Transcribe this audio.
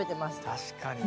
確かに。